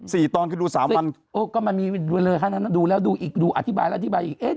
สี่ตอนคือดูสามวันก็มันมีเรื่อยดูแล้วดูอีกดูอธิบายแล้วอธิบายอีก